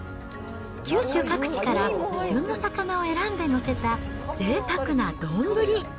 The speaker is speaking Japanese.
九州各地から旬の魚を選んで載せた、ぜいたくな丼。